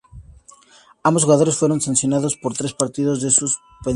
Ambos jugadores fueron sancionados con tres partidos de suspensión.